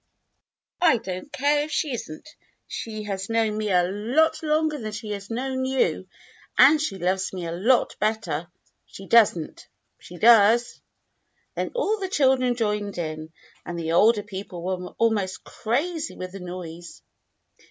"I don't care if she is n't. She has known me a lot 88 THE BLUE AUNT longer than she has known you, and she loves me a lot better." "She does n't." "She does." Then all the children joined in and the older peo ple were almost crazy with the noise.